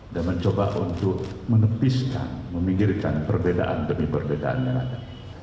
dan mencoba untuk menepiskan meminggirkan perbedaan demi perbedaan yang ada